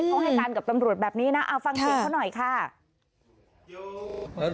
เขาให้การกับตำรวจแบบนี้นะเอาฟังเสียงเขาหน่อยค่ะ